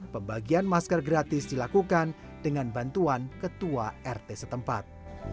pembagian masker gratis dilakukan dengan bantuan ketua rt setempat